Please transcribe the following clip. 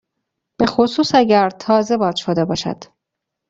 بخصوص اگر تازه باد شده باشد.